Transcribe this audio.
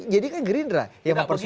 jadi kan gerindra yang mempersulit